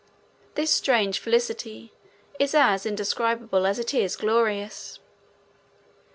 This strange felicity is as indescribable as it is glorious.